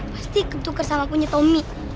pasti tuker sama punya tommy